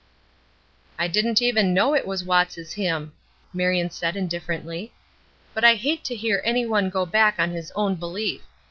"I didn't even know it was Watts' hymn," Marion said, indifferently. "But I hate to hear any one go back on his own belief.